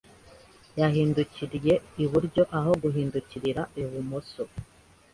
Yahindukiye iburyo aho guhindukirira ibumoso.